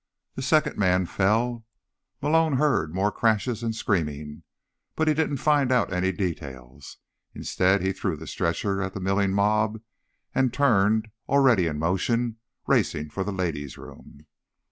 The second man fell; Malone heard more crashes and screaming, but he didn't find out any details. Instead, he threw the stretcher at the milling mob and turned, already in motion, racing for the ladies' room.